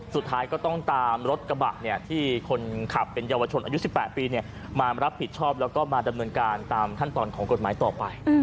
สุดท้ายก็ต้องตามรถกระบะที่คนขับเป็นเยาวชนอายุ๑๘ปีมารับผิดชอบแล้วก็มาดำเนินการตามขั้นตอนของกฎหมายต่อไป